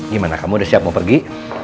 gimana kamu udah siap mau pergi